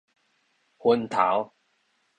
昏頭